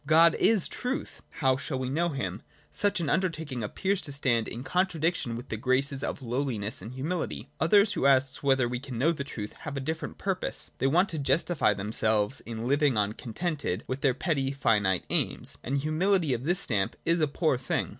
God is truth : how shall we know Him ? Such an undertaking appears to stand in contra diction with the graces of lowliness and humiUty.— Others who ask whether we can know the truth have a different purpose. They want to justify themselves in living on contented with their petty, finite aims. And humility of this stamp is a poor thing.